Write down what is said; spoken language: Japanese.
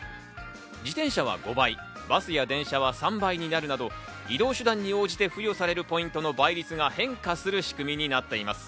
自転車は５倍、バスや電車は３倍になるなど移動手段に応じて付与されるポイントの倍率が変化する仕組みになっています。